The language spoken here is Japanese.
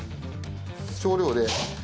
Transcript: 少量で。